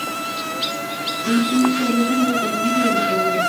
En-shi se había casado con el hijo del Emperador, Ko-Ichijō.